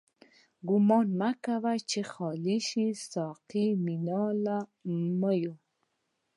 ګومان مه کړه چی خالی شوه، ساقی مينا له ميو